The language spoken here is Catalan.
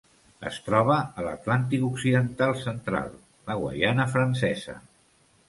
Es troba a l'Atlàntic occidental central: la Guaiana Francesa.